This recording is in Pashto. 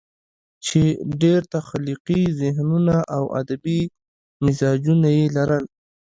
چې ډېر تخليقي ذهنونه او ادبي مزاجونه ئې لرل